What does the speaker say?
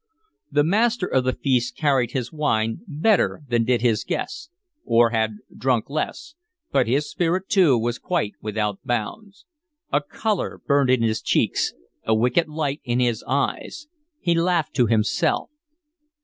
The master of the feast carried his wine better than did his guests, or had drunk less, but his spirit too was quite without bounds. A color burned in his cheeks, a wicked light in his eyes; he laughed to himself.